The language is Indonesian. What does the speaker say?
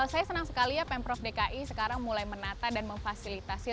saya senang sekali ya pemprov dki sekarang mulai menata dan memfasilitasi